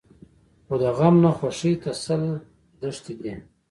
خو د غم نه خوښۍ ته سل دښتې دي.